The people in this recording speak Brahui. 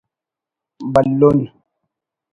بھلن